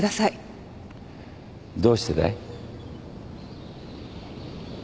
どうしてだい？